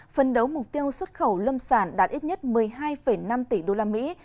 phân đấu mục tiêu xuất khẩu lâm sản đạt ít nhất một mươi hai năm tỷ đô la mỹ